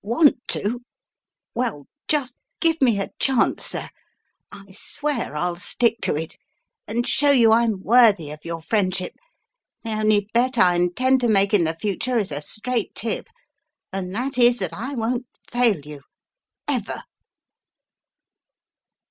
" Want to? Well, just give me a chance, sir. I swear I'll stick to it, and show you I'm worthy of your friend ship. The only bet I intend to make in the future is a straight tip, and that is that I won't fail you — ever!"